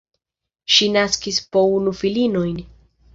Ŝi naskis po unu filinojn.